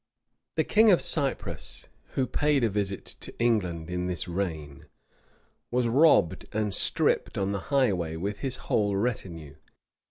[]The king of Cyprus, who paid a visit to England in this reign, was robbed and stripped on the highway with his whole retinue.